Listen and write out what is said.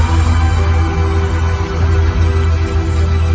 มันเป็นเมื่อไหร่แล้ว